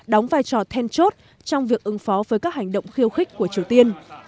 đóng vai trò then chốt trong việc ứng phó với các hành động khiêu khích của triều tiên